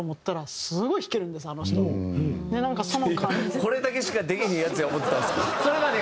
いやこれだけしかできひんヤツや思ってたんですか？